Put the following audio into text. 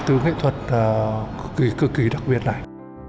về những thứ văn hóa rất là cực kỳ cực kỳ đặc biệt này